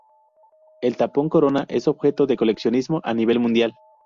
El tapón corona es objeto de coleccionismo a nivel mundial.